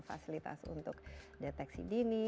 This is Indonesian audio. fasilitas untuk deteksi dini